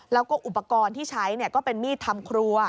แล้วก็อุปกรณ์ที่ใช้ก็เป็นมีดทำครัว